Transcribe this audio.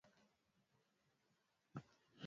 huwakilisha mawazo mawili au zaidi.